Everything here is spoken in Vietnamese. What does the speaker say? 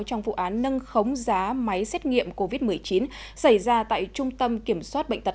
trong vụ án nâng khống giá máy xét nghiệm covid một mươi chín xảy ra tại trung tâm kiểm soát bệnh tật